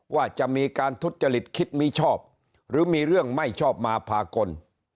ว่าจะมีการทุจริตคิดมิชอบหรือมีเรื่องไม่ชอบมาพากล